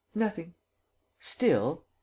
"Nothing." "Still. .